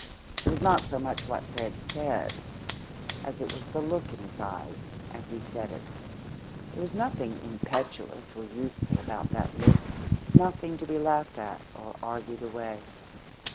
It was not so much what Fred said as it was the look in his eyes as he said it. There was nothing impetuous or youthful about that look, nothing to be laughed at or argued away.